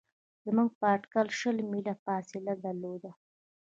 زموږ په اټکل شل میله فاصله درلوده.